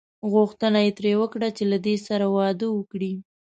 غوښتنه یې ترې وکړه چې له دې سره واده وکړي.